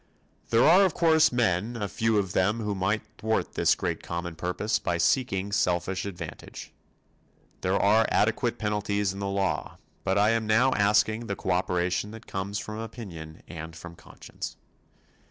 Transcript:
There are, of course, men, a few of them who might thwart this great common purpose by seeking selfish advantage. There are adequate penalties in the law, but I am now asking the cooperation that comes from opinion and from conscience.